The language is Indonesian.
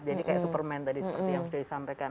jadi kayak superman tadi seperti yang sudah disampaikan